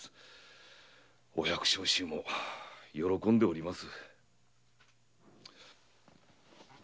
お百姓衆も喜んでおります。